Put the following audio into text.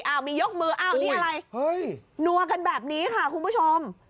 มียกมืออ้าวนี่อะไรนัวกันแบบนี้ค่ะคุณผู้ชม